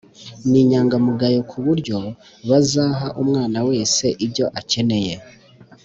n’inyangamugayo ku buryo bazaha umwana wese ibyo akeneye